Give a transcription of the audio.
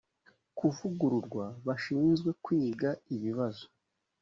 kuvugururwa bashinzwe kwiga ibibazo